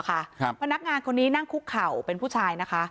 พนักงานคนนี้นั่งคุกเข่าเป็นผู้ชายนะคะ